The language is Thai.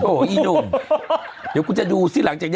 โอ้โหอีหนุ่มเดี๋ยวคุณจะดูสิหลังจากนี้